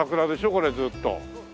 これずっと。